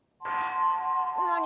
なに？